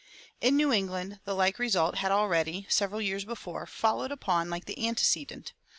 In New England the like result had already, several years before, followed upon the like antecedent.